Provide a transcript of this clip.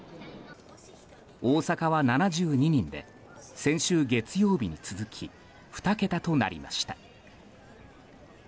大阪は７２人で先週月曜日に続き２桁となりました。